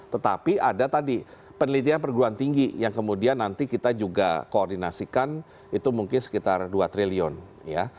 tetapi ada tadi penelitian perguruan tinggi yang kemudian nanti kita juga koordinasikan itu mungkin sekitar dua triliun ya